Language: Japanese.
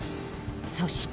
そして。